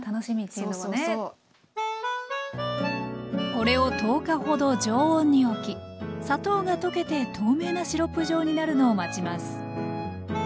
これを１０日ほど常温におき砂糖が溶けて透明なシロップ状になるのを待ちます